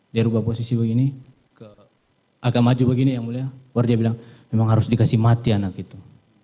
dia ubah posisi begini agak maju begini yang mulia baru dia bilang memang harus dikasih mati anak itu